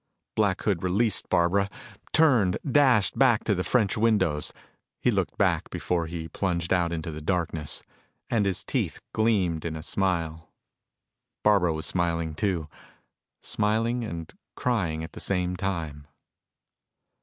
Black Hood released Barbara, turned, dashed back to the French windows. He looked back before he plunged out into the darkness, and his teeth gleamed in a smile. Barbara was smiling, too smiling and crying at the same time.